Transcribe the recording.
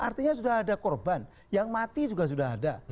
artinya sudah ada korban yang mati juga sudah ada